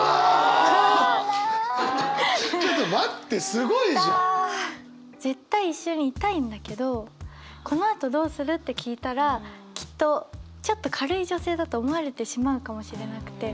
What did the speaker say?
すごいじゃん！絶対一緒にいたいんだけど「この後どうする？」って聞いたらきっとちょっと軽い女性だと思われてしまうかもしれなくて。